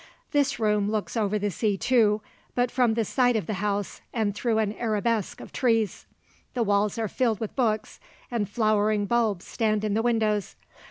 This room looks over the sea, too, but from the side of the house and through an arabesque of trees. The walls are filled with books and flowering bulbs stand in the windows.